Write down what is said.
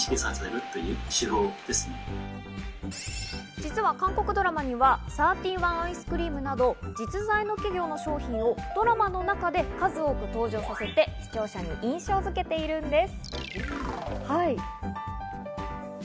実は韓国ドラマにはサーティワンアイスクリームなど、実在の企業の商品をドラマの中で数多く登場させて視聴者に印象付けているんです。